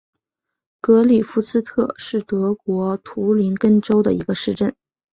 格里夫斯特是德国图林根州的一个市镇。